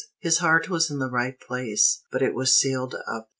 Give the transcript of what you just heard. His heart was in the right place, but it was sealed up.